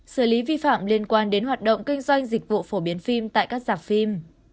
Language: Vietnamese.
xử lý vi phạm liên quan đến hoạt động kinh doanh dịch vụ phổ biến phim tại các giảp phim